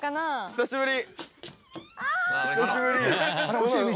久しぶり。